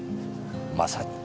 まさに。